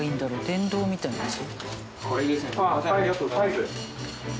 電動みたいなやつ？